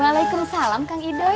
waalaikumsalam kang idoi